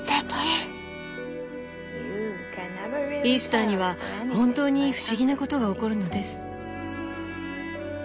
「イースターには本当に不思議なことが起こるのです」。